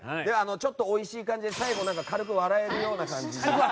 おいしい感じで最後軽く笑えるような感じで。